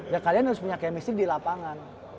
ya kalian harus punya chemistry di lapangan